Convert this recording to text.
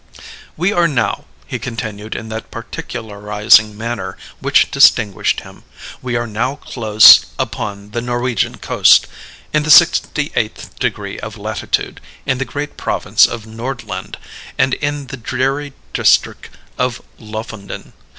"We are now," he continued in that particularizing manner which distinguished him "we are now close upon the Norwegian coast in the sixty eighth degree of latitude in the great province of Nordland and in the dreary district of Lofoden.